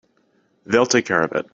They'll take care of it.